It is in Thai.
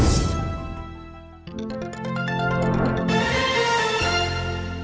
สวัสดีครับ